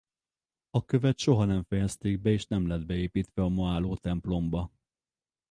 A követ soha nem fejezték be és nem lett beépítve a ma álló templomba.